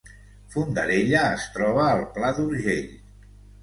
Fondarella es troba al Pla d’Urgell